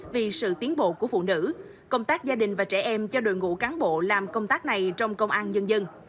vì sự tiến bộ của phụ nữ công tác gia đình và trẻ em cho đội ngũ cán bộ làm công tác này trong công an nhân dân